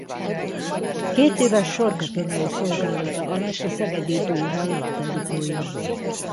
Kétéves sorkatonai szolgálata alatt a Szegedi Dózsa labdarúgója volt.